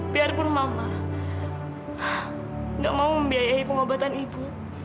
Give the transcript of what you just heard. biarpun mama gak mau membiayai pengobatan ibu